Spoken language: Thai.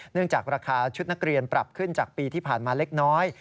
จากราคาชุดนักเรียนปรับขึ้นจากปีที่ผ่านมาเล็กน้อย